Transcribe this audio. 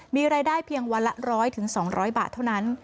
มีรายได้เพียงวันละ๑๐๐๒๐๐บาทเท่านั้น